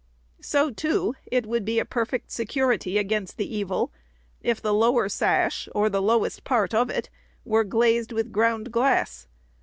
So, too, it would be a perfect security against the evil, if the lower sash, or the lowest part of it, were glazed with ground glass.